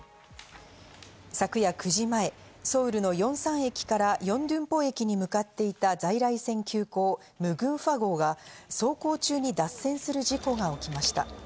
昨夜９時前、ソウルのヨンサン駅からヨンドゥンポ駅に向かっていた在来線急行・ムグンファ号が走行中に脱線する事故が起きました。